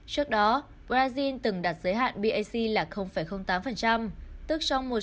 trước đó brazil từng đặt giới hạn bac là tám tức trong một trăm linh ml máu có tám mươi mg cồn